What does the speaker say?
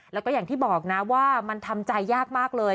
แล้วก็อย่างที่บอกนะว่ามันทำใจยากมากเลย